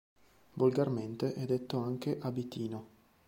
Volgarmente è detto anche "abitino".